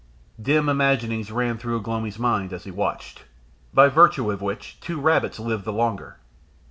Dim imaginings ran through Ugh lomi's mind as he watched by virtue of which two rabbits lived the longer.